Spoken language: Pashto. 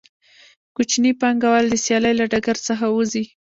کوچني پانګوال د سیالۍ له ډګر څخه وځي